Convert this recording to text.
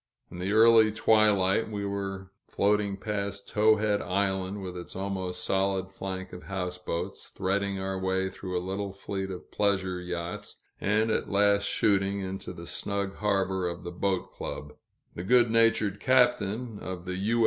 In the early twilight we were floating past Towhead Island, with its almost solid flank of houseboats, threading our way through a little fleet of pleasure yachts, and at last shooting into the snug harbor of the Boat Club. The good natured captain of the U.